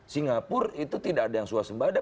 singapura itu tidak ada yang suasembada